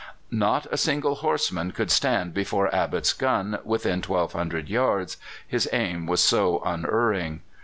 Not a single horseman could stand before Abbott's gun within 1,200 yards, his aim was so unerring.